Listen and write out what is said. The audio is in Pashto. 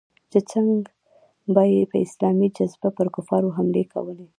چې څنگه به يې په اسلامي جذبه پر کفارو حملې کولې.